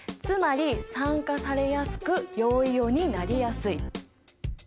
つまり酸化されやすく陽イオンになりやすい。